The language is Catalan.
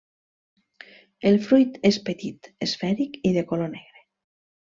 El fruit és petit, esfèric i de color negre.